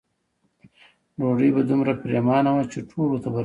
ډوډۍ به دومره پریمانه وه چې ټولو ته به رسېده.